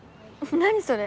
何それ？」。